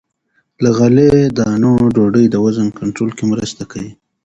له غلې- دانو ډوډۍ د وزن کنټرول کې مرسته کوي.